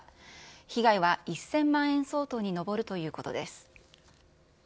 被害は１０００万円相当に上るということです。